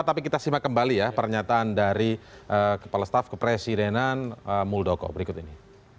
tapi kita simak kembali ya pernyataan dari kepala staf kepresidenan muldoko berikut ini